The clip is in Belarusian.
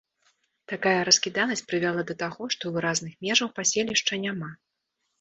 Такая раскіданасць прывяла да таго, што выразных межаў паселішча няма.